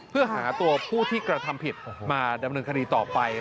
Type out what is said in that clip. เพื่อหาตัวผู้ที่กระทำผิดมาดำเนินคดีต่อไป